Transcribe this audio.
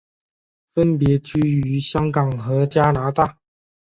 分别居于香港和加拿大。